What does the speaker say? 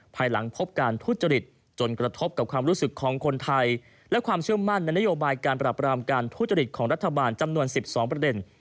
ภายหลังพบการทุจริตจนกระทบกับความรู้สึกของคนไทยและความเชื่อมั่นในนโยบายการปรับรามการทุจริตของรัฐบาลจำนวน๑๒ประเด็น